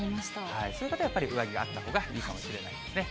そういう方はやっぱり、上着があったほうがいいかもしれないですね。